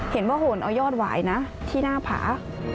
เห็นว่าโหนเอายอดหวายนะที่หน้าผา